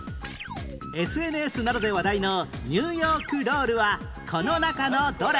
ＳＮＳ などで話題のニューヨークロールはこの中のどれ？